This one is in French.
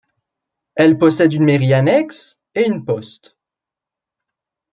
Elle possède une mairie annexe et une poste.